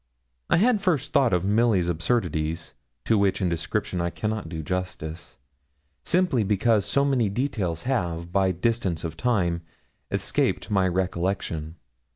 I had first thought of Milly's absurdities, to which, in description, I cannot do justice, simply because so many details have, by distance of time, escaped my recollection.